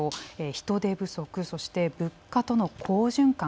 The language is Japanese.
人手不足そして、物価との好循環